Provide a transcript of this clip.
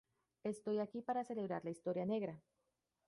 Y estoy aquí para celebrar la historia negra.